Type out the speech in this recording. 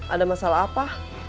ada masalah apa